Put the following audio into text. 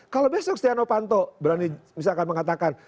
kalau besok setianopanto berani mengatakan